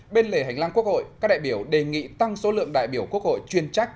bên lề hành lang quốc hội các đại biểu đề nghị tăng số lượng đại biểu quốc hội chuyên trách